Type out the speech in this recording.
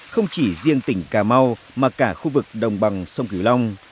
không chỉ riêng tỉnh cà mau mà cả khu vực đồng bằng sông cửu long